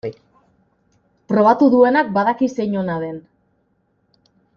Probatu duenak badaki zein ona den.